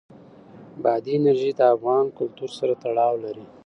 بادي انرژي د افغان کلتور سره تړاو لري.